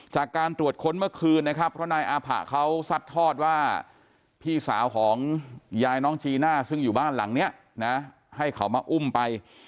จากการตรวจค้นเมื่อคืนนะครับเพราะนายอาผะเขาซัดทอดว่าพี่สาวของยายน้องจีน่าซึ่งอยู่บ้านหลังนี้นะให้เขามาอุ้มไป